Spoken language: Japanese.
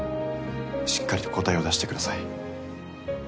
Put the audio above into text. しっかりと答えを出してください。